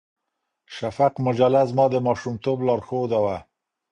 شفق مجله زما د ماشومتوب لارښوده وه.